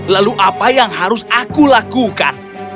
lalu apa yang harus aku lakukan